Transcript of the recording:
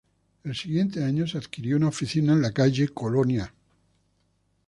El siguiente año se adquirió una oficina en la calle Colonia No.